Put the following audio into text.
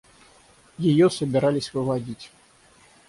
Ее собирались выводить.